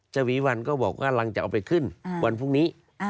ฉวีวันก็บอกว่าเราจะเอาไปขึ้นวันพรุ่งนี้